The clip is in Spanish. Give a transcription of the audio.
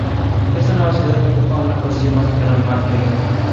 Esta nueva ciudad ocupaba una posición más cercana al mar Jónico.